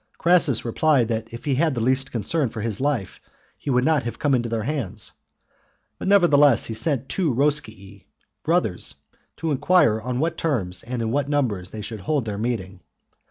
Crassus replied that if he had the least concern for his life, he would not have come into their hands; but neverthe less he sent two Roscii, brothers, to enquire on what terms and in what numbers they should hold their meeting.